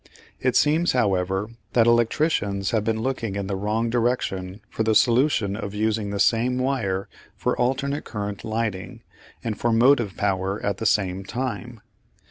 It seems, however, that electricians have been looking in the wrong direction for the solution of using the same wire for alternate current lighting and for motive power at the same time.